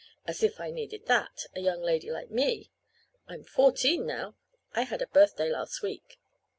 (As if I needed that a young lady like me! I'm fourteen now. I had a birthday last week.)